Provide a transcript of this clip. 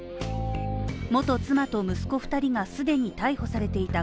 元妻と息子２人が既に逮捕されていた